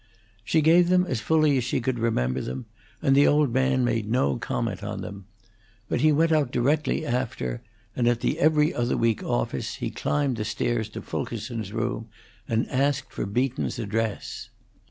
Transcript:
She gave them as fully as she could remember them, and the old man made no comment on them. But he went out directly after, and at the 'Every Other Week' office he climbed the stairs to Fulkerson's room and asked for Beaton's address.